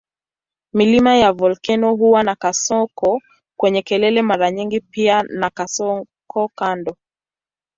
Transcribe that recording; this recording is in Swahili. Milima ya volkeno huwa na kasoko kwenye kelele mara nyingi pia na kasoko kando.